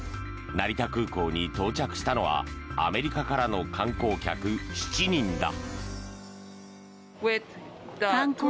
成田空港に到着したのはアメリカからの観光客７人だ。